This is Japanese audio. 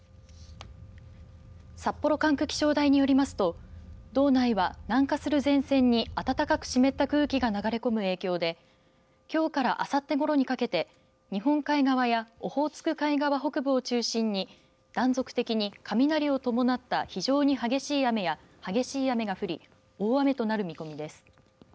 札幌管区気象台によりますと道内は、南下する前線に暖かく湿った空気が流れ込む影響できょうからあさってごろにかけて日本海側やオホーツク海側北部を中心に断続的に雷を伴った非常に激しい雨や激しい雨が降り大雨となる見込みです。